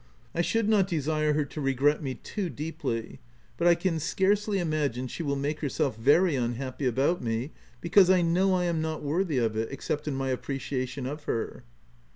I should not desire her to regret me too deeply ; but I can scarcely imagine she will make herself very unhappy about me, because I know I am not worthy of it, except in my ap preciation of her.'